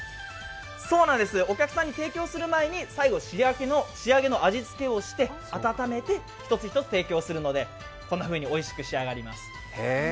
そうなんです、お客さんに提供する前に最後に仕上げの味付けをして温めて一つ一つ提供するのでこんなふうにおいしく仕上がります。